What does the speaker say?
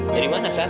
jadi mana sat